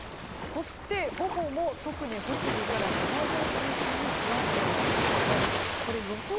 そして、午後も特に北部から山沿い中心に不安定な状況で予想